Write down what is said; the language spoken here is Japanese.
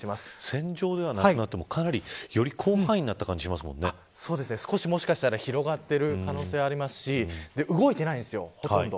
線状ではなくなってもより広範囲になった感じが少し、もしかしたら広がっている可能性がありますし動いてないんですよ、ほとんど。